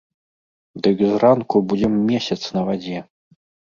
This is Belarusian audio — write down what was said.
Дык зранку будзем месяц на вадзе.